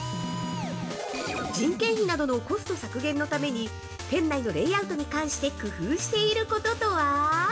人件費などのコスト削減のために店内のレイアウトに関して工夫していることとは？